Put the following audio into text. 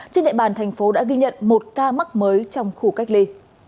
trên địa bàn thành phố đã ghi nhận một ca mắc mới trong khu cách ly